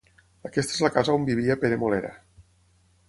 Aquesta és la casa on vivia Pere Molera.